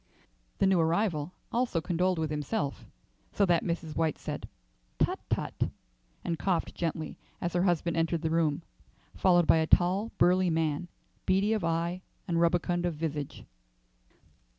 The new arrival also condoled with himself, so that Mrs. White said, "Tut, tut!" and coughed gently as her husband entered the room, followed by a tall, burly man, beady of eye and rubicund of visage.